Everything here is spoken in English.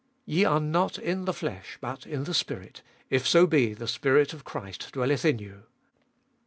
Ye are not in the flesh, but in the Spirit, if so be the Spirit of Christ dwelleth in you.